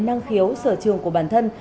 năng khiếu sở trường của bản thân